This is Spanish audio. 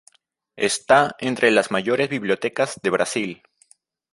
Esta entre las mayores bibliotecas de Brasil.